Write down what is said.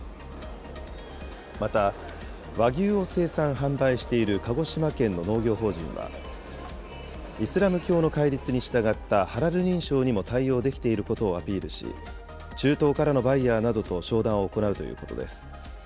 また、和牛を生産・販売している鹿児島県の農業法人は、イスラム教の戒律に従ったハラル認証にも対応できていることをアピールし、中東からのバイヤーなどと商談を行うということです。